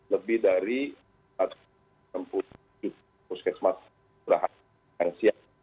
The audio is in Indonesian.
lebih dari satu ratus enam puluh tujuh puskesmas yang siap